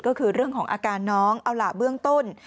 ก็คือเรื่องของอาการน้องเอาล่ะเบื้องต้น